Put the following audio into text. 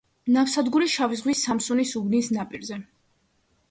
ნავსადგური შავი ზღვის სამსუნის უბის ნაპირზე.